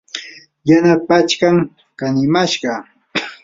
yana pachkam kanimashqa.